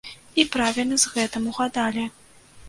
І правільна з гэтым угадалі.